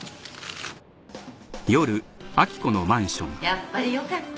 やっぱりよかった。